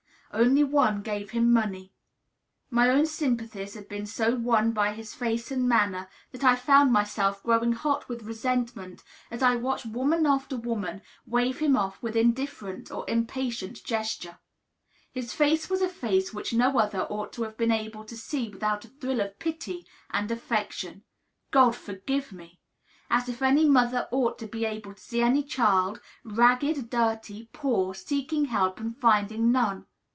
Only one gave him money. My own sympathies had been so won by his face and manner that I found myself growing hot with resentment as I watched woman after woman wave him off with indifferent or impatient gesture. His face was a face which no mother ought to have been able to see without a thrill of pity and affection. God forgive me! As if any mother ought to be able to see any child, ragged, dirty, poor, seeking help and finding none!